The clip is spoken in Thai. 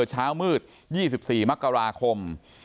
เช้ามืด๒๔มกราคม